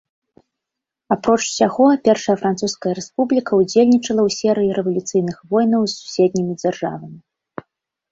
Апроч усяго першая французская рэспубліка ўдзельнічала ў серыі рэвалюцыйных войнаў з суседнімі дзяржавамі.